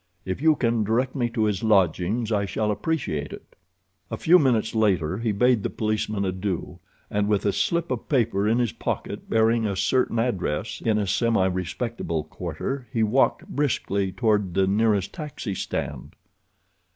If you can direct me to his lodgings I shall appreciate it." A few minutes later he bade the policeman adieu, and, with a slip of paper in his pocket bearing a certain address in a semirespectable quarter, he walked briskly toward the nearest taxi stand.